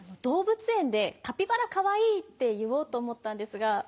動物園で「カピバラかわいい！」って言おうと思ったんですが。